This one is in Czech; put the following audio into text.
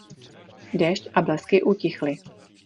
Déšť a blesky utichly.